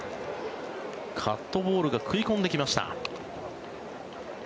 カットボールが食い込んできました。